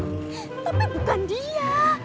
tapi bukan dia